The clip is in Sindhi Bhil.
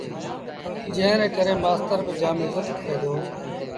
جݩهݩ ري ڪري مآستر با جآم ازت ڪري دو